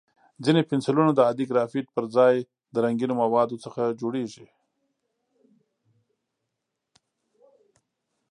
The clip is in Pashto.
ځینې پنسلونه د عادي ګرافیت پر ځای د رنګینو موادو څخه جوړېږي.